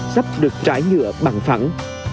sắp được trái nhựa bằng phẳng